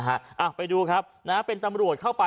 ถึงที่อีกทีเย็นกับสู่พระเจ้าเขา